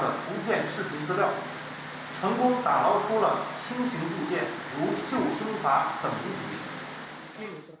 sehingga keberadaan kri riga empat ratus dua ini dilakukan sepuluh kali